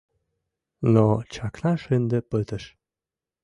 Но чакнаш ынде пытыш.